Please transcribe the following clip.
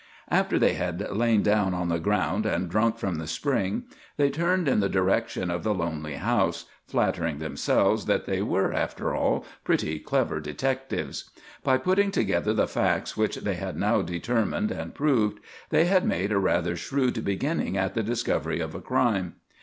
After they had lain down on the ground and drunk from the spring, they turned in the direction of the lonely house, flattering themselves that they were, after all, pretty clever detectives. By putting together the facts which they had now determined and proved, they had made a rather shrewd beginning at the discovery of a crime.